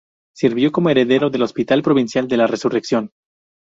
Sirvió como heredero del Hospital Provincial de la Resurrección.